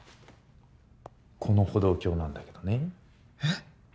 この歩道橋なんだけどねえっ